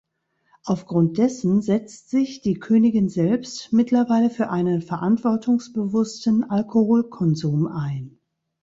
Aufgrund dessen setzt sich die Königin selbst mittlerweile für einen verantwortungsbewussten Alkoholkonsum ein.